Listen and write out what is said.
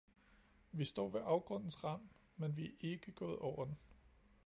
Vi står ved afgrundens rand, men vi er ikke gået over den.